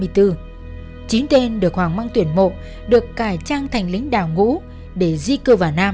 cuối tháng tám đầu tháng chín năm năm mươi bốn chín tên được hoàng măng tuyển mộ được cải trang thành lính đào ngũ để di cư vào nam